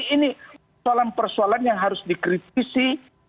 ini persoalan persoalan yang harus dikritisi